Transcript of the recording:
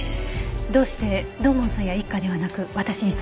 どうして土門さんや一課ではなく私にその情報を？